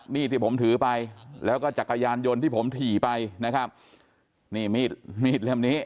ที่ผมถือไปแล้วก็จักรยานยนต์ที่ผมถี่ไปนะครับนี่มีดมีดเล่มนี้